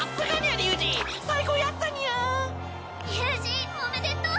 龍二おめでとう！